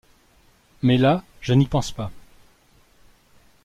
Mais là je n'y pense pas.